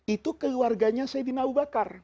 itu keluarganya sayyidina abu bakar